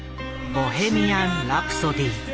「ボヘミアン・ラプソディ」。